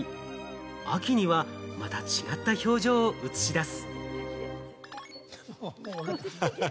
秋にはまた違った表情を映し出す。